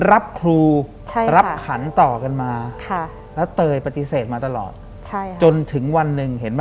หลังจากนั้นเราไม่ได้คุยกันนะคะเดินเข้าบ้านอืม